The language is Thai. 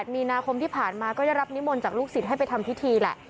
มีนาคมที่ผ่านมาก็ได้รับนิมนต์จากลูกศิษย์ให้ไปทำพิธีแหละ